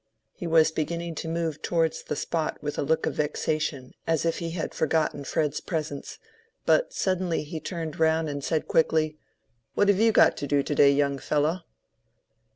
He was beginning to move towards the spot with a look of vexation, as if he had forgotten Fred's presence, but suddenly he turned round and said quickly, "What have you got to do to day, young fellow?"